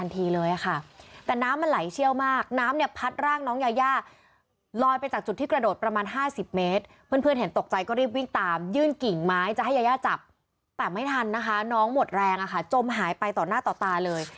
แต่ไม่ทันแต่ไม่ทันนะคะน้องหมดแรงอะค่ะจมหายไปต่อหน้าต่อตาเลย